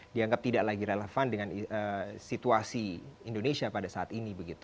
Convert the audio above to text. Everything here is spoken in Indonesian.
dianggap tidak lagi relevan dengan situasi indonesia pada saat ini